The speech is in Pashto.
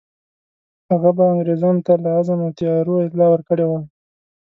هغه به انګرېزانو ته له عزم او تیاریو اطلاع ورکړې وای.